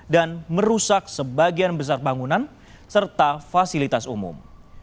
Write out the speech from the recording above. dan merusak sebagian besar bangunan serta fasilitas umum